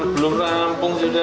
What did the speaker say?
belum rampung sudah